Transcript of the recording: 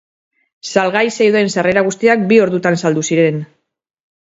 Salgai zeuden sarrera guztiak bi ordutan saldu ziren.